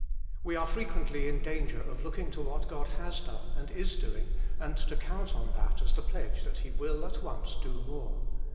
We are fre quently in danger of looking to what God has done and is doing, and to count on that as the pledge that He will at once do more.